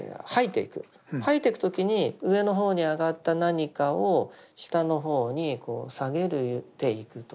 吐いていく時に上の方に上がった何かを下の方に下げていくと。